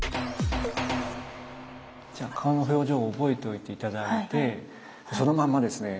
じゃあ顔の表情を覚えておいて頂いてそのまんまですね